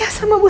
ya udah hebben